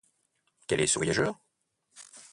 Quel est ce voyageur ?